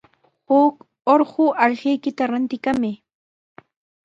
Huk urqu allquykita rantikamay.